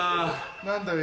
何だよ？